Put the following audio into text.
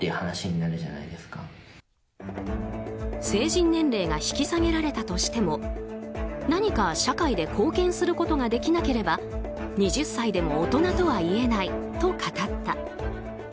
成人年齢が引き下げられたとしても何か社会で貢献することができなければ２０歳でも大人とはいえないと語った。